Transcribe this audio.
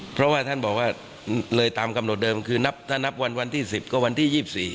เพราะว่าท่านบอกว่าเลยตามกำหนดเดิมคือนับถ้านับวันวันที่๑๐ก็วันที่๒๔